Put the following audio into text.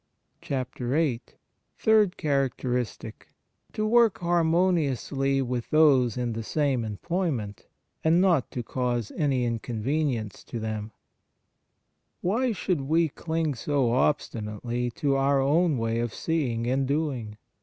VIII THIRD CHARACTERISTIC To work harmoniously with those in the same employment, and not to cause any incon venience to them WHY should we cling so obstinately to our own way of seeing and doing